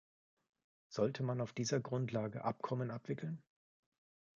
Sollte man auf dieser Grundlage Abkommen abwickeln?